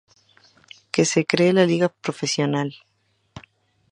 Que se cree la liga profesional.